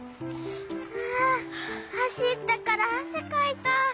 ああはしったからあせかいた。